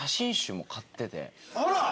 あら！